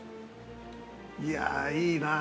◆いやー、いいなあ